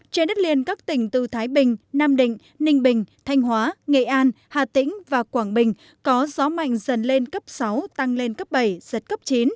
trên đất liền các tỉnh từ thái bình nam định ninh bình thanh hóa nghệ an hà tĩnh và quảng bình có gió mạnh dần lên cấp sáu tăng lên cấp bảy giật cấp chín